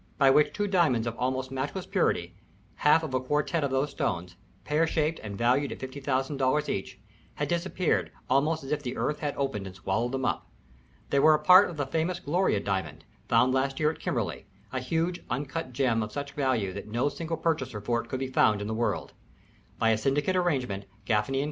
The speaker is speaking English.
by which two diamonds of almost matchless purity half of a quartet of these stones pear shaped and valued at $50,000 each, had disappeared almost as if the earth had opened and swallowed them up. They were a part of the famous Gloria Diamond, found last year at Kimberley, a huge, uncut gem of such value that no single purchaser for it could be found in the world. By a syndicate arrangement Gaffany & Co.